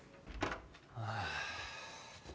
ああ。